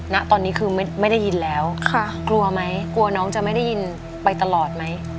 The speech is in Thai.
ณตอนนี้คือไม่ได้ยินแล้วกลัวไหมกลัวน้องจะไม่ได้ยินไปตลอดไหม